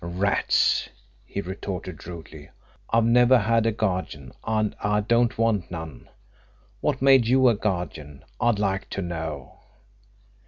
"Rats!" he retorted rudely. "I've never had a guardian and I don't want none. What made you a guardian, I'd like to know?"